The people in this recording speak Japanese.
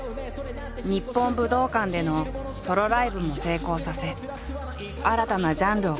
日本武道館でのソロライブも成功させ新たなジャンルを確立。